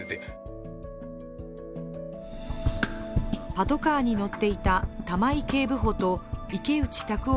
パトカーに乗っていた玉井警部補と池内卓夫